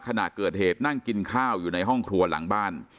ขณะเกิดเหตุนั่งกินข้าวอยู่ในห้องครัวหลังบ้าน